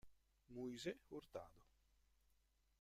Moisés Hurtado